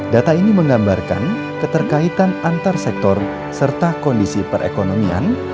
data ini menggambarkan keterkaitan antar sektor serta kondisi perekonomian